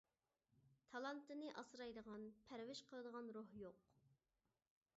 تالانتنى ئاسرايدىغان، پەرۋىش قىلىدىغان روھ يوق.